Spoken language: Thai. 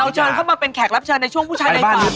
เชิญเข้ามาเป็นแขกรับเชิญในช่วงผู้ชายในฝัน